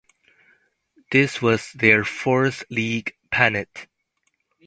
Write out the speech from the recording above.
This was their fourth league pennant.